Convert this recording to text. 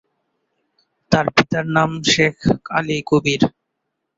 তার পিতার নাম শেখ আলী কবির।